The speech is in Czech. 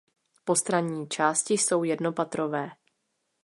Postranní části jsou jednopatrové.